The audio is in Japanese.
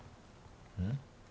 うん？